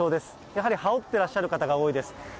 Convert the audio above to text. やはり羽織ってらっしゃる方が多いです。